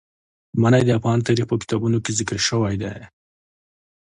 منی د افغان تاریخ په کتابونو کې ذکر شوی دي.